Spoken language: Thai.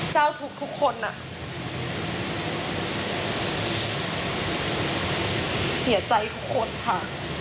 เจ้าทุกข์ทุกคนอะเสียใจทุกคนค่ะ